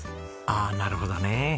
ああなるほどね。